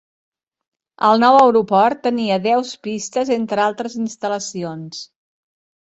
El nou aeroport tenia deus pistes entre altres instal·lacions.